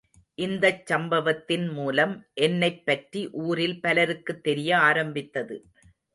இந்தச் சம்பவத்தின்மூலம் என்னைப் பற்றி ஊரில் பலருக்குத் தெரிய ஆரம்பித்தது.